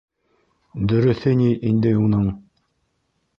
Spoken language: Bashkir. - Дөрөҫө ни инде уның...